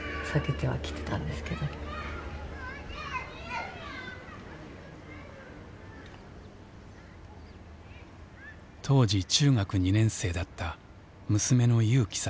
当時中学２年生だった娘の有希さん。